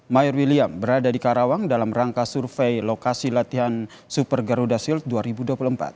mayor william berada di karawang dalam rangka survei lokasi latihan super garuda shield dua ribu dua puluh empat